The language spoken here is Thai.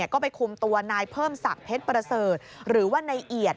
ก็ไปคุมตัวนายเพิ่มศักดิ์เพชรประเสริฐหรือว่านายเอียด